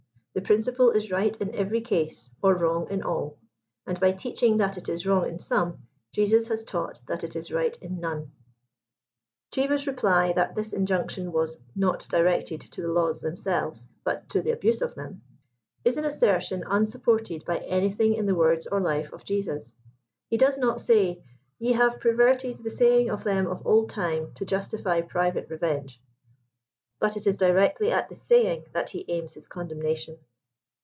The principle is right in every case, or wrong in all ; and by teaching that it is wrong in some, Jesus has taught that it is right in none. Cheever's reply that this injunction was "not directed to the laws themselves, but to the abuse of them," is an assertion un fllUpported by anything in the words or life of Jesus. He does not say " ye have perverted the saying of them of old time, to justify private Jfevenge;" but it is directly at the saying that he aims his condemnation.